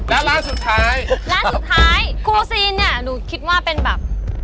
แล้วร้านสุดท้ายร้านสุดท้ายครูซีนเนี่ยหนูคิดว่าเป็นแบบ